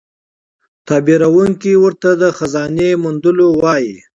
تعبیرونکی ورته د خزانې موندلو وايي.